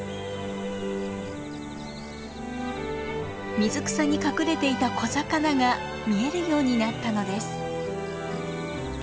水草に隠れていた小魚が見えるようになったのです。